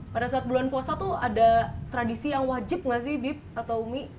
pada saat bulan puasa tuh ada tradisi yang wajib nggak sih bip atau umi